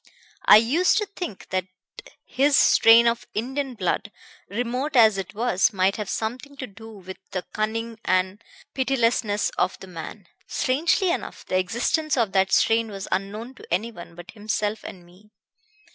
"I used to think that his strain of Indian blood, remote as it was, might have something to do with the cunning and pitilessness of the man. Strangely enough, the existence of that strain was unknown to anyone but himself and me.